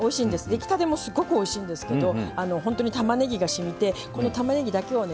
出来たてもすごくおいしいんですけどほんとにたまねぎがしみてこのたまねぎだけをね